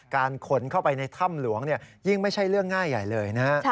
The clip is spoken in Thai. การขนเข้าไปในถ้ำหลวงยิ่งไม่ใช่เรื่องง่ายใหญ่เลยนะฮะ